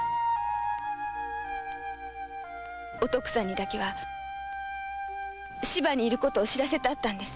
おとくさんにだけは芝にいる事を知らせてあったんです。